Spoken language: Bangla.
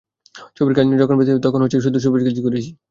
ছবির কাজ নিয়ে যখন ব্যস্ত ছিলাম, তখন শুধু ছবির কাজই করেছি।